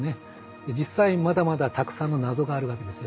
実際まだまだたくさんの謎があるわけですよね。